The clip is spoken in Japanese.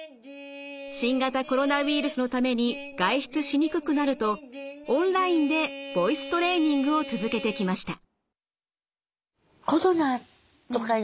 新型コロナウイルスのために外出しにくくなるとオンラインでボイストレーニングを続けてきました。